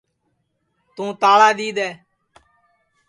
توں تاݪا دؔی دؔے